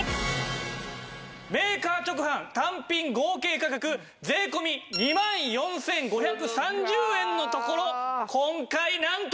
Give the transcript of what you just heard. メーカー直販単品合計価格税込２万４５３０円のところ今回なんと！